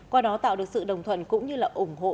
qua đó tạo được sự đồng thuận cũng như là ủng hộ